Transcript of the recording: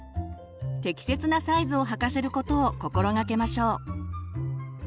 適切なサイズを履かせることを心がけましょう。